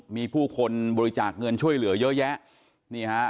มีผู้คนบริจาคเงินช่วยเหลือเยอะแยะนี่ฮะ